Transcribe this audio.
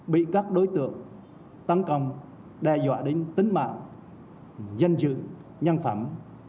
bị các đối tượng tấn công đe dọa đến tính mạng danh dự nhân phẩm